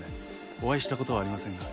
お会いした事はありませんが。